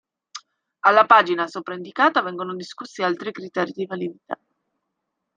Alla pagina sopraindicata vengono discussi altri criteri di validità.